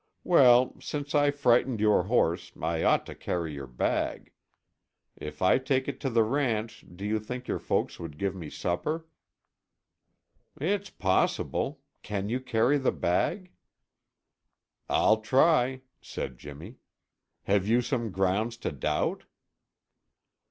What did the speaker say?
Well, since I frightened your horse, I ought to carry your bag. If I take it to the ranch, do you think your folks would give me supper?" "It's possible. Can you carry the bag?" "I'll try," said Jimmy. "Have you some grounds to doubt?"